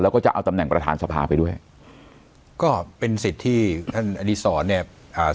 แล้วก็จะเอาตำแหน่งประธานสภาไปด้วยก็เป็นสิทธิ์ที่ท่านอดีศรเนี่ยอ่า